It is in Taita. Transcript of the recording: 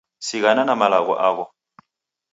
Sighana na malagho agho